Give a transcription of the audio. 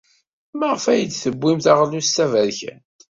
Maɣef ay d-tewwim taɣlust taberkant?